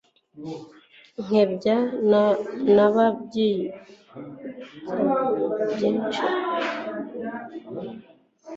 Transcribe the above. nkebya na baryinyonza bashyigikira nyiratunga